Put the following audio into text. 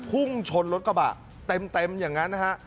พุ่งชนรถกระบะเต็มอย่างนั้นนะฮะ